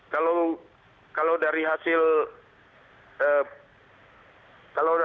dan akhirnya atau juga mereka hanya memanfaatkan situasi saja gandhi